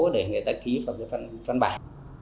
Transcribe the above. để người ta ký vào cái phần bài